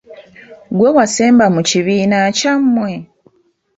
Ggwe wasemba mu kibiina kyammwe?